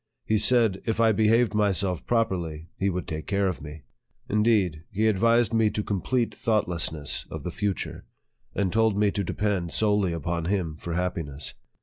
He said, if.. I behaved myself properly, he would take care of me. Indeed, he advised me to com plete thoughtlessness of the future, and taught me to depend solely upon him for happiness.